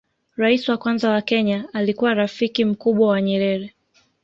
rais wa kwanza wa kenya alikuwa rafiki mkubwa wa nyerere